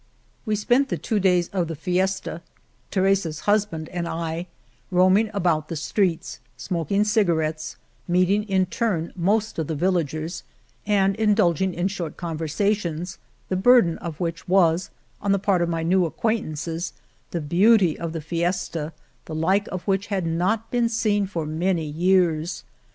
We spent the two days of the fiesta — Teresa's husband and I — roaming about the streets, smoking cigarettes, meeting in turn most of the villagers and indulging in short conversations, the burden of which was, on the part of my new acquaintances, the beauty of the fiesta — the like of which had not been seen for many years.